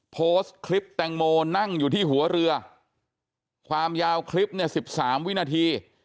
โพสต์คลิปแตงโมนั่งอยู่ที่หัวเรือความยาวคลิปเนี่ย๑๓วินาที